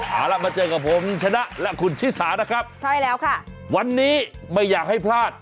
เอาล่ะมาเจอกับผมชนะและคุณชิสานะครับใช่แล้วค่ะวันนี้ไม่อยากให้พลาด